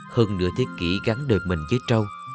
hơn nửa thế kỷ gắn đời mình với trâu